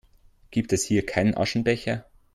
Gibt es hier keinen Aschenbecher?